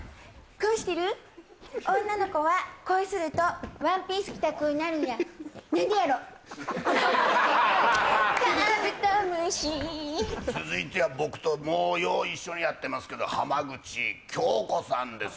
かぶとむし続いては僕ともうよう一緒にやってますけど浜口京子さんです